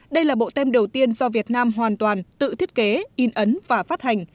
đây là bộ tem đầu tiên do việt nam hoàn toàn tự thiết kế in ấn và phát hành